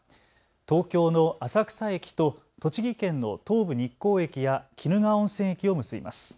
東京の浅草駅と栃木県の東武日光駅や鬼怒川温泉駅を結びます。